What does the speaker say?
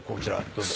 どうぞ。